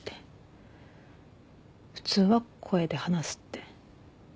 普通は声で話すって。